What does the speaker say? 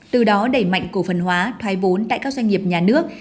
từ đó đẩy mạnh cổ phần hóa thoái vốn tại các doanh nghiệp nhà nước